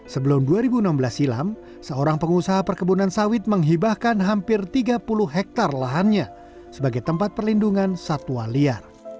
sebelum dua ribu enam belas silam seorang pengusaha perkebunan sawit menghibahkan hampir tiga puluh hektare lahannya sebagai tempat perlindungan satwa liar